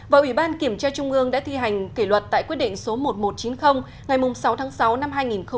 và ủy ban kiểm tra trung ương đã thi hành kỷ luật tại quyết định số một nghìn một trăm chín mươi ngày sáu tháng sáu năm hai nghìn một mươi chín